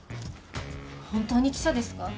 本当に記者ですか？